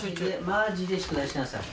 マジで宿題しなさい。